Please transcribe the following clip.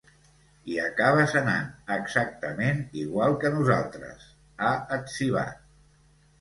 Hi acabes anant, exactament igual que nosaltres, ha etzibat.